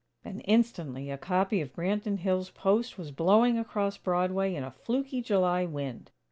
And instantly a copy of Branton Hills' "Post" was blowing across Broadway in a fluky July wind!